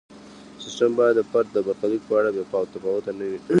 سیستم باید د فرد د برخلیک په اړه بې تفاوت نه وي.